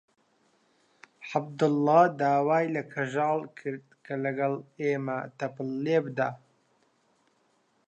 عەبدوڵڵا داوای لە کەژاڵ کرد کە لەگەڵ ئێمە تەپڵ لێ بدات.